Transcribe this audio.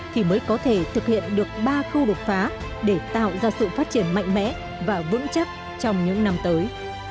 thì mới có thể thực hiện được ba khâu đột phá để tạo ra sự phát triển mạnh mẽ và vững chắc trong những năm tới